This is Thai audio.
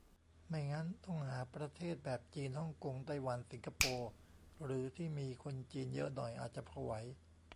ไม่งั้นต้องหาประเทศแบบ จีน ฮ่องกง ไต้หวัน สิงคโปร์ หรือที่มีคนจีนเยอะหน่อย อาจจะพอไหว